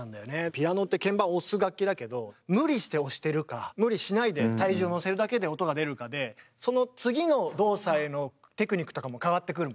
ピアノって鍵盤押す楽器だけど無理して押してるか無理しないで体重をのせるだけで音が出るかでその次の動作へのテクニックとかも変わってくるもんね？